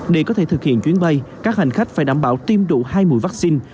để có thể thực hiện chuyến bay các hành khách phải đảm bảo tiêm đủ hai mũi vaccine